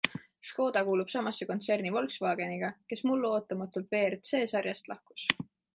Škoda kuulub samasse kontserni Volkswageniga, kes mullu ootamatult WRC-sarjast lahkus.